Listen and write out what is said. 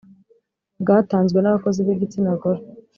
bwatanzwe n abakozi b igitsina gore